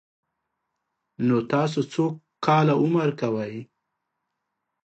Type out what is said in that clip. _نو تاسو څو کاله عمر کوئ؟